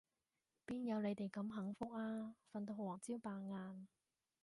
邊有你哋咁幸福啊，瞓到黃朝白晏